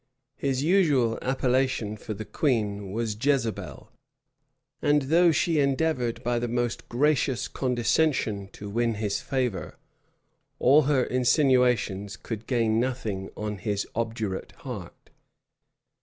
His usual appellation for the queen was Jezebel; and though she endeavored by the most gracious condescension to win his favor, all her insinuations could gain nothing on his obdurate heart.